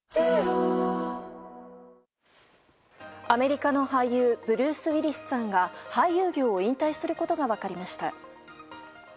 アメリカの俳優ブルース・ウィリスさんが俳優業を引退することが分かりました。